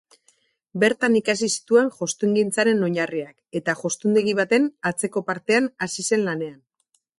Bertan ikasi zituen jostungintzaren oinarriak eta jostundegi baten atzeko partean hasi zen lanean.